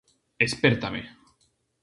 Espértame.